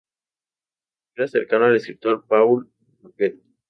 Era cercano al escritor Paul Bourget.